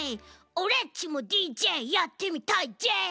オレっちもＤＪやってみたいじぇ！